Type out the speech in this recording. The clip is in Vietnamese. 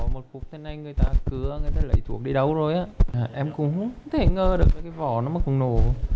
một cục thân anh người ta cứa người ta lấy thuốc đi đâu rồi á em cũng không thể ngơ được cái vỏ nó mà cũng nổ